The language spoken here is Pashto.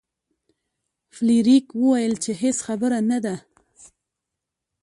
فلیریک وویل چې هیڅ خبره نه ده.